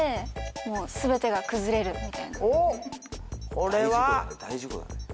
これは。